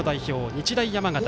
日大山形。